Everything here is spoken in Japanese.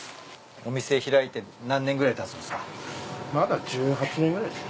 お店開いて何年ぐらいたつんすか？